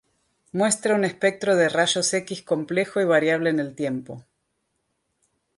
Muestra un espectro de rayos X complejo y variable en el tiempo.